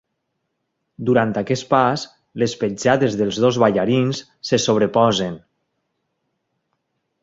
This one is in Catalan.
Durant aquest pas, les petjades dels dos ballarins se sobreposen.